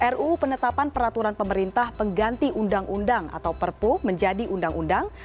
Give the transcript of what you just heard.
ruu penetapan peraturan pemerintah pengganti undang undang atau perpu menjadi undang undang